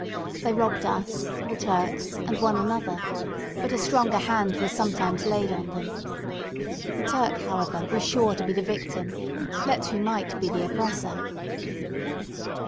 They robbed us, the Turks, and one another; but a stronger hand was sometimes laid on them. The Turk, however, was sure to be the victim, let who might be the oppressor.